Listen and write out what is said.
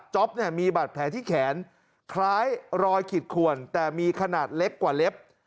มีบาดแผลที่แขนคล้ายรอยขีดขวนแต่มีขนาดเล็กกว่าเล็บ